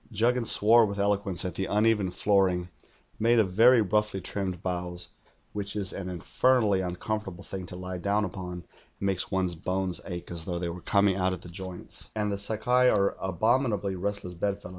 Juggins swore with eloquence at the uneven flooring, made of very roughly trimmed boughs, which is an infernally uncomfortable thing to lie down upon, and makes one's bones ache as though they were coming out at the joints, and the Sakai are abominablv restless bedfellows as vou know.